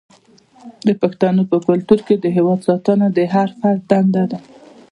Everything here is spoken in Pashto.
د پښتنو په کلتور کې د هیواد ساتنه د هر فرد دنده ده.